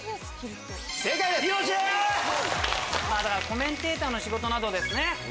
コメンテーターの仕事などですね